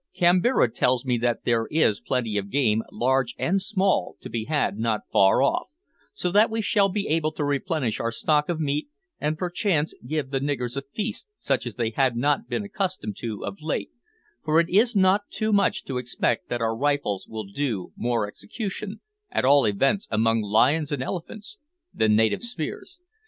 Kambira tells me that there is plenty of game, large and small, to be had not far off, so that we shall be able to replenish our stock of meat and perchance give the niggers a feast such as they have not been accustomed to of late, for it is not too much to expect that our rifles will do more execution, at all events among lions and elephants, than native spears.